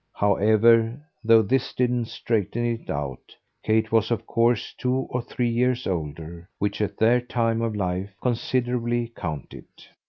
However though this didn't straighten it out Kate was of course two or three years older; which at their time of life considerably counted.